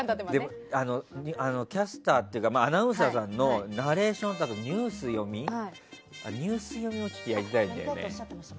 キャスターっていうかアナウンサーさんのナレーションというかニュース読みをやりたいんだよね。